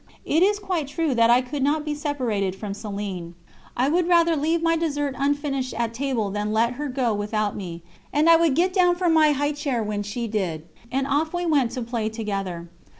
'" It is quite true that I could not be separated from Céline; I would rather leave my dessert unfinished at table than let her go without me, and I would get down from my high chair when she did, and off we went to play together.